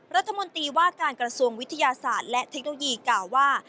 รัฐมนตรีว่าการกระทรวงวิทยาศาสตร์และเทคโนโลยีกล่าวว่า